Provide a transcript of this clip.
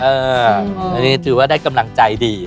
อันนี้ถือว่าได้กำลังใจดี